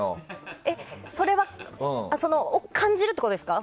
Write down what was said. それは感じるってことですか？